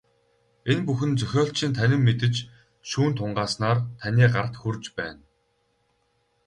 Энэ бүхэн зохиолчийн танин мэдэж, шүүн тунгааснаар таны гарт хүрч байна.